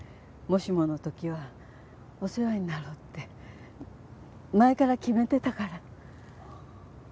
もしもの時はお世話になろうって前から決めてたから。